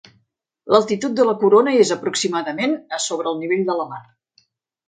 L'altitud de la corona és aproximadament a, sobre el nivell de la mar.